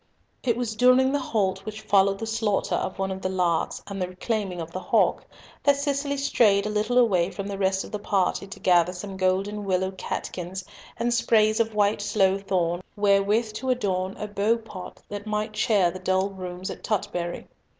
It was during the halt which followed the slaughter of one of the larks, and the reclaiming of the hawk, that Cicely strayed a little away from the rest of the party to gather some golden willow catkins and sprays of white sloe thorn wherewith to adorn a beaupot that might cheer the dull rooms at Tutbury.